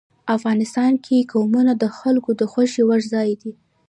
افغانستان کې قومونه د خلکو د خوښې وړ ځای دی.